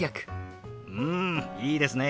うんいいですね！